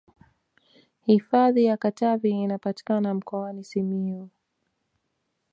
hifadhi ya katavi inapatikana mkoani simiyu